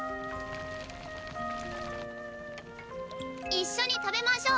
一緒に食べましょう。